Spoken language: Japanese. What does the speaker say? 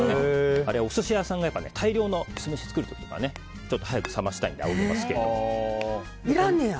あれはお寿司屋さんが大量の酢飯を作る時に早く冷ましたいのでいらんねや。